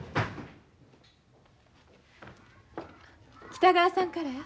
北川さんからや。